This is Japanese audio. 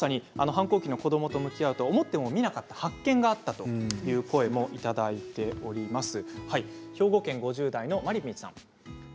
反抗期の子どもと向き合うと思ってもみなかった発見があったという声もいただいています。